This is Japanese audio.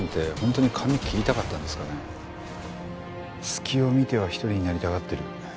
隙を見ては一人になりたがってる。